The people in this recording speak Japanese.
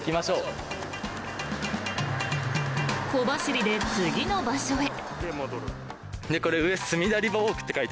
小走りで次の場所へ。